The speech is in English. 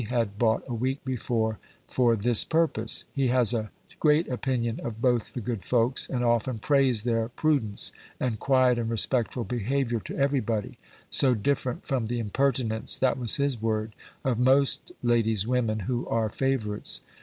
had bought a week before for this purpose: he has a great opinion of both the good folks, and often praised their prudence, and quiet and respectful behaviour to every body, so different from the impertinence (that was his word) of most ladies' women who are favourites.